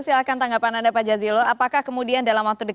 silahkan tanggapan anda pak jazilul